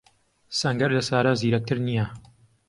سەنگەر لە سارا زیرەکتر نییە.